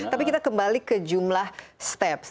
tapi kita kembali ke jumlah steps